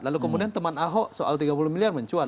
lalu kemudian teman ahok soal tiga puluh miliar mencuat